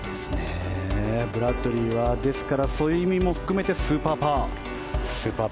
ブラッドリーはですからそういう意味を含めてスーパーパー。